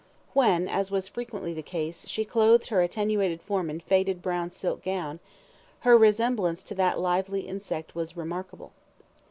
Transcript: When as was frequently the case she clothed her attenuated form in a faded brown silk gown, her resemblance to that lively insect was remarkable.